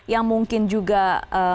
yang mungkin juga dikawal oleh masyarakat